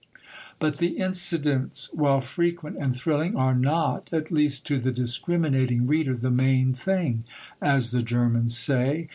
But the incidents, while frequent and thrilling, are not, at least to the discriminating reader, the main thing, as the Germans say.